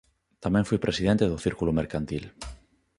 Tamén foi presidente do Círculo Mercantil.